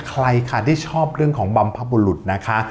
ใครค่ะที่ชอบเรื่องของบรรพบุรุษนะคะ